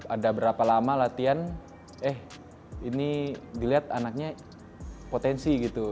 ada berapa lama latihan eh ini dilihat anaknya potensi gitu